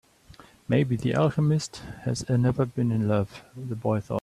Maybe the alchemist has never been in love, the boy thought.